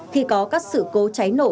khi có các sự cố cháy nổ